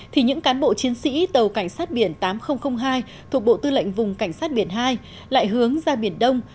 thì những cán bộ chiến sĩ tàu cảnh sát biển tám nghìn hai thuộc bộ tư lệnh vùng cảnh sát biển hai lại hướng ra biển đông